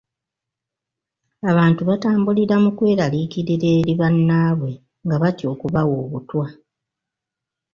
Abantu batambulira mu kweraliikirira eri bannaabwe nga batya okubawa obutwa.